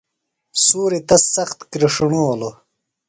سُوریۡ تس سخت کِرݜݨولوۡ